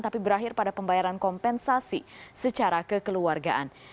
tapi berakhir pada pembayaran kompensasi secara kekeluargaan